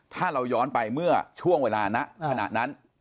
ถ้าเราย้อนไปเมื่อช่วงเวลาณขณะนั้น